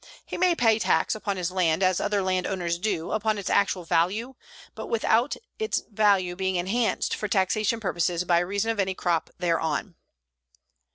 He may pay tax upon his land, as other land owners do, upon its actual value, but without this value being enhanced for taxation purposes by reason of any crop thereon.